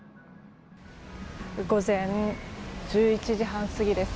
午前１１時半過ぎです。